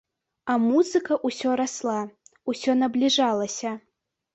А музыка ўсё расла, усё набліжалася.